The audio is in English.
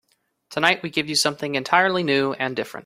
Tonight we give you something entirely new and different.